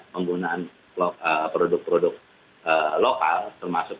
penggunaan produk produk lokal termasuk